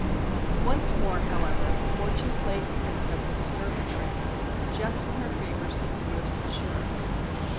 Once more, however, fortune played the Princess a scurvy trick, just when her favour seemed most assured.